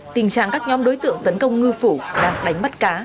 tình trạng các nhóm đối tượng tấn công ngư phụ đã đánh mắt cá